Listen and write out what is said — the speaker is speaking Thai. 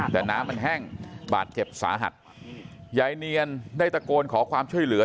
แต่น้ำมันแห้งบาดเจ็บสาหัสยายเนียนได้ตะโกนขอความช่วยเหลือ